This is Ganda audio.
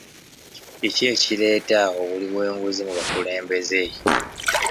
Kiki ekireeta obuli bw'enguzi mu bakulembeze?